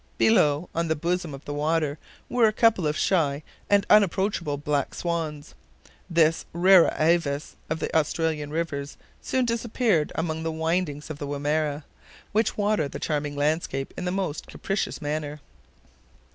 Below, on the bosom of the water, were a couple of shy and unapproachable black swans. This rara avis of the Australian rivers soon disappeared among the windings of the Wimerra, which water the charming landscape in the most capricious manner.